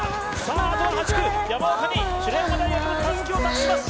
あとは８区山岡に白山大学の襷を託します